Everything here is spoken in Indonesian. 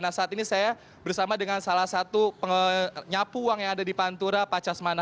nah saat ini saya bersama dengan salah satu penyapu uang yang ada di pantura pak casmana